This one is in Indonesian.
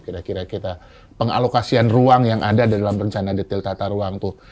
kira kira kita pengalokasian ruang yang ada dalam rencana detail tata ruang itu